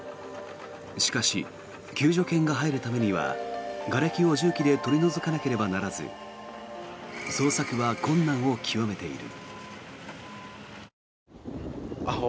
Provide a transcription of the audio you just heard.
しかし、救助犬が入るためにはがれきを重機で取り除かなければならず捜索は困難を極めている。